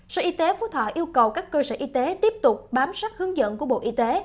sở y tế phú thọ yêu cầu các cơ sở y tế tiếp tục bám sát hướng dẫn của bộ y tế